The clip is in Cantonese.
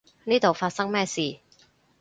呢度發生咩事？